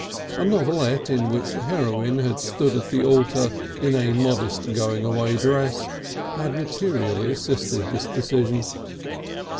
A novelette in which the heroine had stood at the altar in "a modest going away dress" had materially assisted this decision.